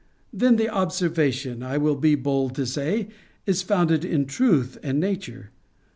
Then the observation, I will be bold to say, is founded in truth and nature.